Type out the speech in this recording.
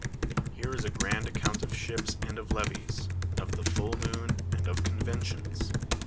TTere is a errand account of shij)s and of l('vies, of th(! full mooTi. ;ind of conventions.